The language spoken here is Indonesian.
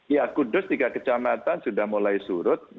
ya kudus tiga kecamatan sudah mulai surut